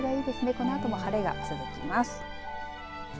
この後も晴れが続きます。